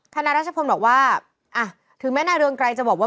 นารัชพลบอกว่าอ่ะถึงแม้นายเรืองไกรจะบอกว่า